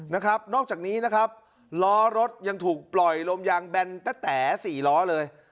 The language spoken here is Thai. นอกจากนี้นะครับล้อรถยังถูกปล่อยลมยางแบนตะแต๋สี่ล้อเลย